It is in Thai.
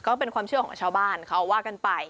ก็เป็นความเชื่อของชาวบ้านเขาว่ากันไป